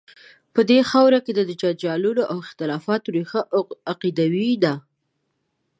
په دې خاوره کې د جنجالونو او اختلافات ریښه عقیدوي ده.